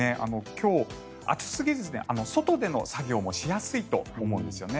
今日、暑すぎず、外での作業もしやすいと思うんですよね。